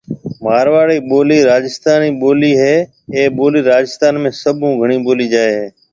مارواڙي ٻولي رآجستانَي ٻولي هيَ اَي ٻولي رآجستان ۾ سڀ هون گھڻي ٻولي جائي هيَ۔